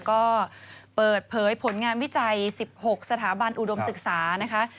ก็เปิดเผยผลงานวิจัย๑๖สถาบันอุดมศึกษานะคะ